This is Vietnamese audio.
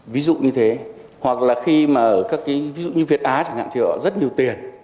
ví dụ như thế hoặc là khi mà ở các cái ví dụ như việt á chẳng hạn thì họ rất nhiều tiền